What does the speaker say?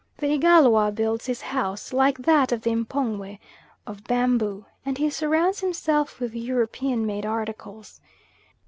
The Igalwa builds his house like that of the M'pongwe, of bamboo, and he surrounds himself with European made articles.